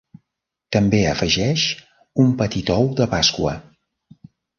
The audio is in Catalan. També afegeix un petit ou de pasqua.